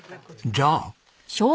「じゃあ」？